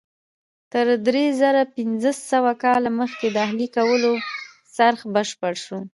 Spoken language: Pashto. تر درې زره پنځه سوه کاله مخکې د اهلي کولو څرخ بشپړ شو.